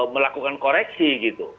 melakukan koreksi gitu